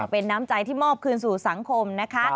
เป็นน้ำใจที่มอบคืนสู่สังคมนะคะ